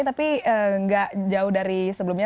tapi nggak jauh dari sebelumnya